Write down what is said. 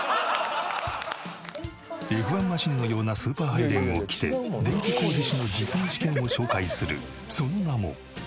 Ｆ１マシンのようなスーパーハイレグを着て電気工事士の実技試験を紹介するその名も。